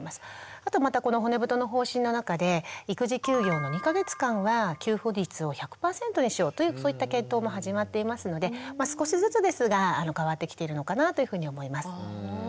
あとまたこの骨太の方針の中で育児休業の２か月間は給付率を１００％にしようというそういった検討も始まっていますので少しずつですが変わってきているのかなというふうに思います。